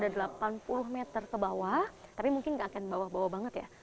jadi kita bisa menemukan banyak hal